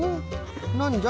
なんじゃ？